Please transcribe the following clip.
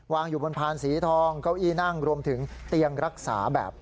อยู่บนพานสีทองเก้าอี้นั่งรวมถึงเตียงรักษาแบบ